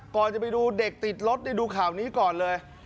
ก่อนจะไปดูเด็กติดรถได้ดูข่าวนี้ก่อนเลย